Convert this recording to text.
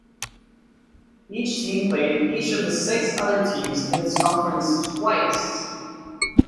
Each team played each of the six other teams in its conference twice.